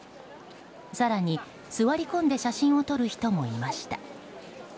更に、座り込んで写真を撮る人もいました。